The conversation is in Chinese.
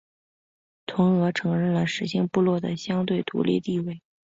同俄承认了十姓部落的相对独立地位。